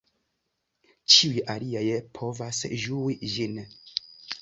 Ĉiuj aliaj povas ĝui ĝin.